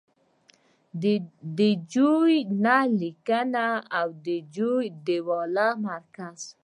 د جو نل لیکنه او د جو دیوالیه مرکز